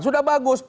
sudah bagus pamit